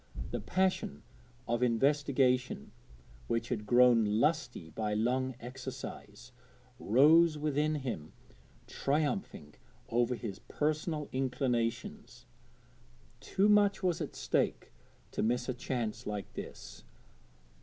The passion of investigation, which had grown lusty by long exercise, rose within him triumphing over his personal inclinations. Too much was at stake to miss a chance like this.